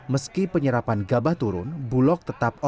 meski penyerapan gabah turun bulog tetap operasi